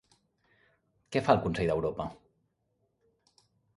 Què fa el Consell d'Europa?